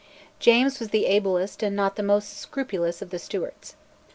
James was the ablest and not the most scrupulous of the Stuarts.